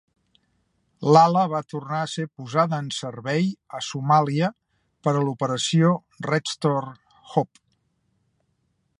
L'ala va tornar a ser posada en servei a Somàlia per a l'operació Restore Hope.